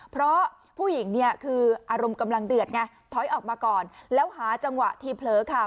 เพราะผู้หญิงเนี่ยคืออารมณ์กำลังเดือดไงถอยออกมาก่อนแล้วหาจังหวะที่เผลอค่ะ